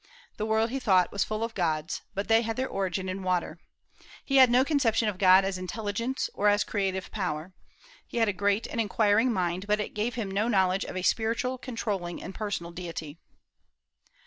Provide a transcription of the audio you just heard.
The world, he thought, was full of gods, but they had their origin in water. He had no conception of God as intelligence, or as a creative power. He had a great and inquiring mind, but it gave him no knowledge of a spiritual, controlling, and personal deity.